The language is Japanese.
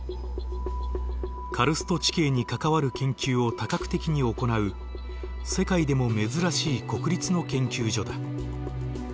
カルスト地形に関わる研究を多角的に行う世界でも珍しい国立の研究所だ。